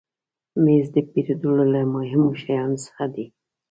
مېز د پیرودلو له مهمو شیانو څخه دی.